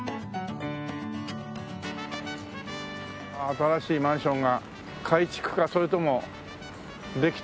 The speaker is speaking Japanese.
新しいマンションが改築かそれともできてるのか